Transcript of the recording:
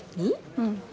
うん。